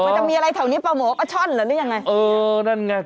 จะมีอะไรแถวนี้ประโหมประช่อนหรือยังไงเออนั่นไง